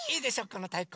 このたいこ。